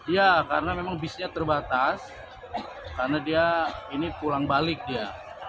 ya karena memang bisnya terbatas karena dia ini pulang balik dia